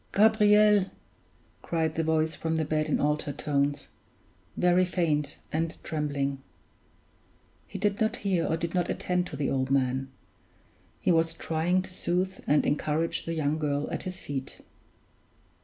"Gabriel!" cried the voice from the bed in altered tones very faint and trembling. He did not hear or did not attend to the old man. He was trying to soothe and encourage the young girl at his feet.